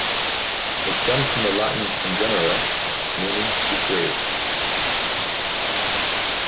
It stems from the Latin "ingenerare", meaning "to create".